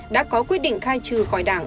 đã có quyết định khai trừ khỏi đảng